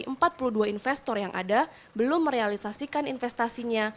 pemerintah merauke mencatat enam dari empat puluh dua investor yang ada belum merealisasikan investasinya